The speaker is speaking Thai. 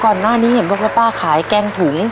ก่อนหน้านี้เห็นบอกว่าป้าขายแกงถุง